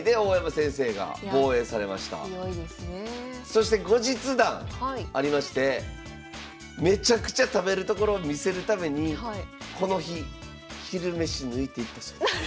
そして後日談ありましてめちゃくちゃ食べるところを見せるためにこの日昼飯抜いていったそうです。